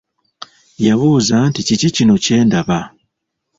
Yabuuza nti, kiki kino kyendaba?